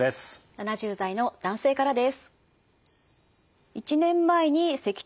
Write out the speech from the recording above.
７０代の男性からです。